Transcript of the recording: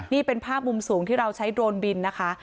นี่เป็นภาพมุมสูงที่เราใช้โดรนบินนะคะ